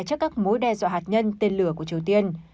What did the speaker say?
trước các mối đe dọa hạt nhân tên lửa của triều tiên